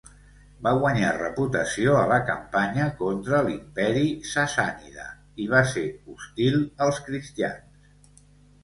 Va guanyar reputació a la campanya contra l'Imperi Sassànida i va ser hostil als cristians.